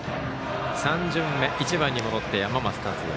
３巡目、１番に戻って山増達也。